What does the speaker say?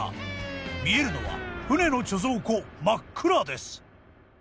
見えるのは船の貯蔵庫真っ暗です。